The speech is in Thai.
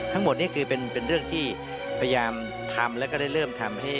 ทั้งหมดนี้เป็นเรื่องที่พยายามทำและเริ่มทำ